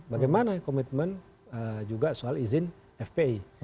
bagaimana komitmen juga soal izin fpi